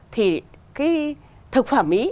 thì cái thực phẩm ý